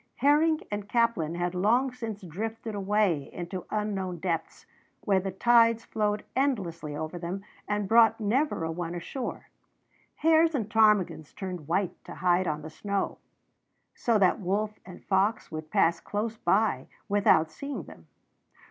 Herring and caplin had long since drifted away into unknown depths, where the tides flowed endlessly over them and brought never a one ashore. Hares and ptarmigans turned white to hide on the snow, so that wolf and fox would pass close by without seeing them.